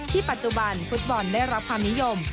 ปัจจุบันฟุตบอลได้รับความนิยม